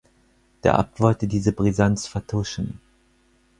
Der Abt wollte diese Brisanz vertuschen.